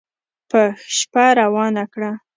په شپه روانه کړه